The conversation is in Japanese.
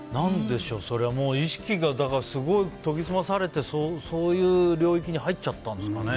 それはもう意識がすごい研ぎ澄まされてそういう領域に入っちゃったんですかね。